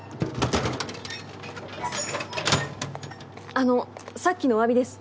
あのさっきのおわびです。